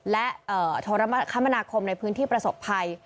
และโทรคมนาคมในพื้นที่ประสบภัย